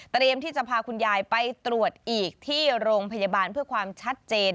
ที่จะพาคุณยายไปตรวจอีกที่โรงพยาบาลเพื่อความชัดเจน